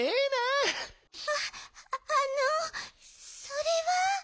あっあのそれは。